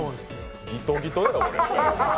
ギトギトや、これ。